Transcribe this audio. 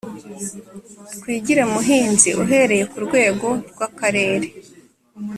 Twigire muhinzi uhereye ku rwego rw Akarere